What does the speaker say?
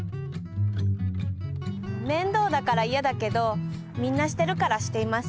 めんどうだからいやだけどみんなしてるからしています。